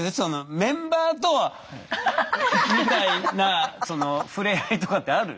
メンバーとみたいなふれあいとかってある？